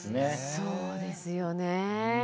そうですよねえ。